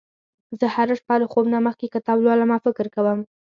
زه هره شپه له خوب نه مخکې کتاب لولم او فکر کوم